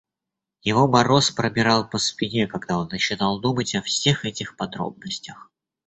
Его мороз пробирал по спине, когда он начинал думать о всех этих подробностях.